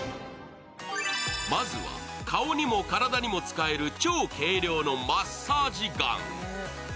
まずは、顔にも体にも使える超軽量のマッサージガン。